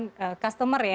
kedua customer ya